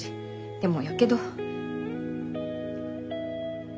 でもやけど。